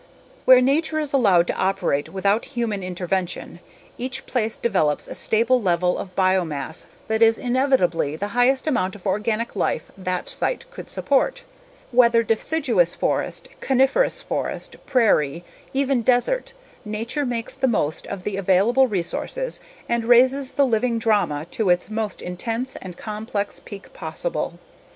Where nature is allowed to operate without human intervention, each place develops a stable level of biomass that is inevitably the highest amount of organic life that site could support. Whether deciduous forest, coniferous forest, prairie, even desert, nature makes the most of the available resources and raises the living drama to its most intense and complex peak possible.